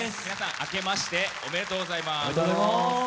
皆さん、あけましておめでとうございます。